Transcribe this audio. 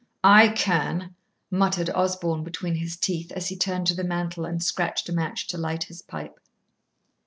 "I can," muttered Osborn between his teeth as he turned to the mantel and scratched a match to light his pipe.